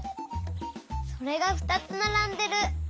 それがふたつならんでる。